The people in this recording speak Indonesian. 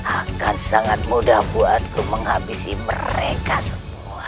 akan sangat mudah buatku menghabisi mereka semua